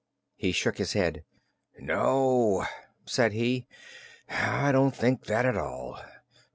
He shook his head. "No," said he, "I don't think that, at all.